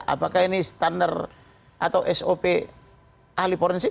apakah ini standar atau sop ahli forensik